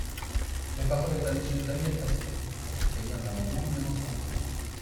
La parole est à Monsieur Daniel Fasquelle, pour soutenir l’amendement numéro trente-trois.